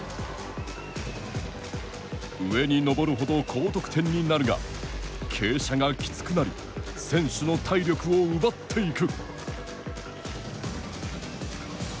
上に登るほど高得点になるが傾斜がきつくなり選手の体力を奪っていく。